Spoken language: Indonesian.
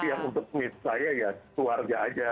tapi yang untuk misalnya ya keluarga saja